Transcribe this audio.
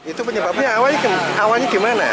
itu penyebabnya awalnya gimana